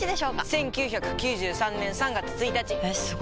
１９９３年３月１日！えすご！